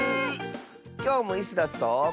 きょうもイスダスと。